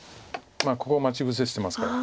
ここ待ち伏せしてますから。